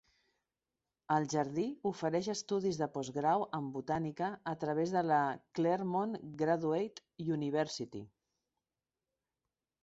El jardí ofereix estudis de postgrau en botànica a través de la Claremont Graduate University.